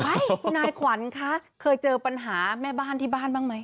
คุณนายขวัญคะเคยเจอปัญหาแม่บ้านที่บ้านบ้างไหม